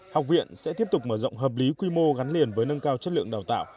học viện sẽ tiếp tục mở rộng hợp lý quy mô gắn liền với nâng cao chất lượng đào tạo